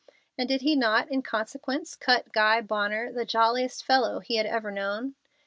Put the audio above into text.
and did he not, in consequence, cut Guy Bonner, the jolliest fellow he had ever known?